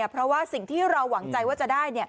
เพราะว่าสิ่งที่เราหวังใจว่าจะได้